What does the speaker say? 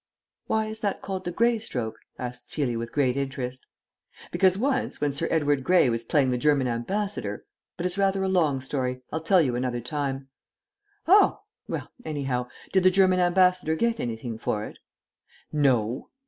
"Why is that called the grey stroke?" asked Celia with great interest. "Because once, when Sir Edward Grey was playing the German Ambassador but it's rather a long story. I'll tell you another time." "Oh! Well, anyhow, did the German Ambassador get anything for it?" "No."